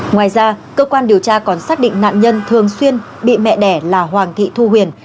ngoài ra cơ quan điều tra còn xác định nạn nhân thường xuyên bị mẹ đẻ là hoàng thị thu huyền